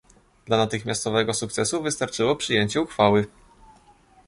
Dla natychmiastowego sukcesu wystarczyło przyjęcie uchwały